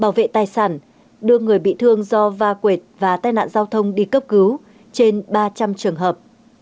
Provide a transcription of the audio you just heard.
bảo vệ tài sản đưa người bị thương do va quệt và tai nạn giao thông đi cấp cứu trên ba trăm linh trường hợp